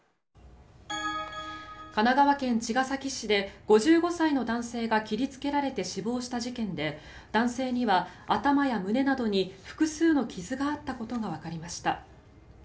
神奈川県茅ヶ崎市で５５歳の男性が切りつけられて死亡した事件で男性には頭や胸などに複数の傷があったことがわかりました。